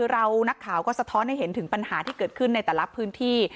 นักข่าวก็สะท้อนให้เห็นถึงปัญหาที่เกิดขึ้นในแต่ละพื้นที่